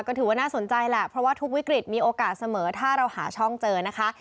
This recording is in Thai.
ก็ถือว่าน่าสนใจแหละเพราะว่าทุกวิกฤตมีโอกาสเสมอถ้าเราหาช่องเจอนะคะ